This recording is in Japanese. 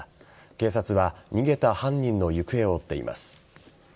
警察は逃げた犯人の行方を追っています。